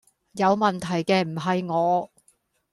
有問題既唔係我